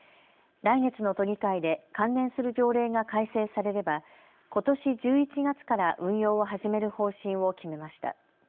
来月の都議会で関連する条例が改正されれば、ことし１１月から運用を始める方針を決めました。